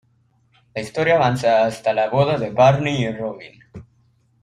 La historia avanza hasta la boda de Barney y Robin.